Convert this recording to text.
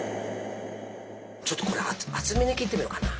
ちょっとこれ厚めに切ってみようかな。